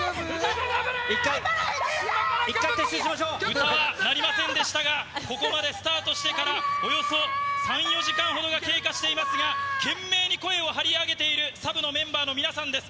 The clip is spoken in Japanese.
音が鳴りませんでしたが、ここまでスタートしてから、およそ３、４時間ほどが経過していますが、懸命に声を張り上げているサブのメンバーの皆さんです。